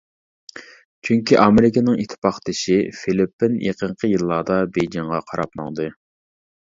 چۈنكى ئامېرىكىنىڭ ئىتتىپاقدىشى فىلىپپىن يېقىنقى يىللاردا بېيجىڭغا قاراپ ماڭدى.